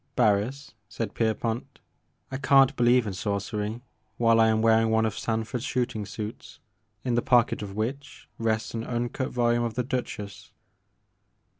"Barris," said Pierpont, "I can't believe in sorcery while I am wearing one of Sanford's shooting suits in the pocket of which rests an un cut volume of the * Duchess.